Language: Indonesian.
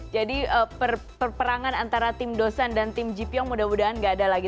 jadi perperangan antara tim dosan dan tim jipyong mudah mudahan gak ada lagi